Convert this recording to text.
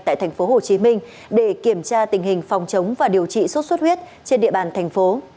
tại tp hcm để kiểm tra tình hình phòng chống và điều trị sốt xuất huyết trên địa bàn thành phố